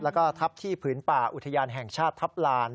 แล้วก็ทับที่ผืนป่าอุทยานแห่งชาติทัพลาน